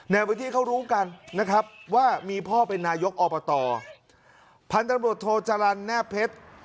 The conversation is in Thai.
แนววิธีเขารู้กันนะครับว่ามีพ่อเป็นนายกอบตภัณฑ์ตำบรรดิโทจรรรณแน่เพชร